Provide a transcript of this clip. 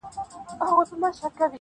• خو یو بل وصیت هم سپي دی راته کړی..